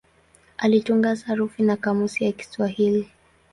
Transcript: Alitunga sarufi na kamusi ya Kiswahili.